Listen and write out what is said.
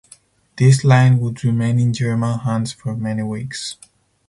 This line would remain in German hands for many weeks.